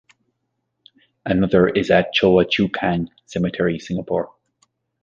Another is at Choa Chu Kang Cemetery, Singapore.